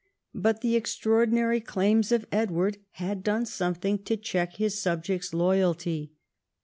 But the extraordinary claims of Edward had done some thing to check his subjects' loyalty.